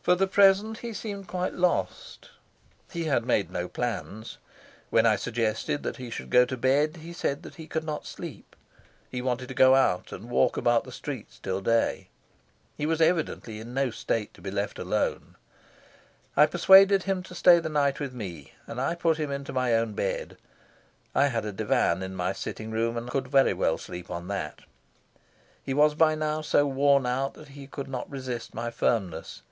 For the present he seemed quite lost. He had made no plans. When I suggested that he should go to bed he said he could not sleep; he wanted to go out and walk about the streets till day. He was evidently in no state to be left alone. I persuaded him to stay the night with me, and I put him into my own bed. I had a divan in my sitting room, and could very well sleep on that. He was by now so worn out that he could not resist my firmness.